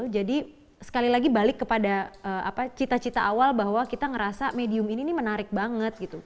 jadi sekali lagi balik kepada cita cita awal bahwa kita ngerasa medium ini menarik banget gitu